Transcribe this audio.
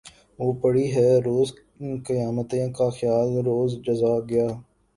وہ پڑی ہیں روز قیامتیں کہ خیال روز جزا گیا